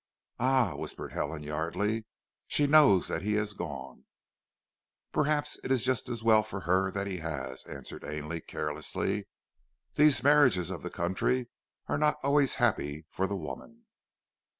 "Ah!" whispered Helen Yardely. "She knows that he has gone." "Perhaps it is just as well for her that he has," answered Ainley carelessly. "These marriages of the country are not always happy for the woman."